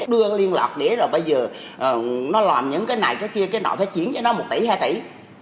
đưa liên lạc để rồi bây giờ nó làm những cái này cái kia cái nội phát triển cho nó một tỷ hai tỷ